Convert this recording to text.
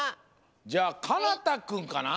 じゃあかなたくんかな？